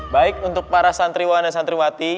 baik untuk para santri wati dan santri wati